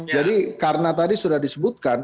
jadi karena tadi sudah disebutkan